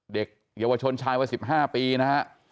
เด็กเยาวชนชายวัย๑๕ปีนะฮะ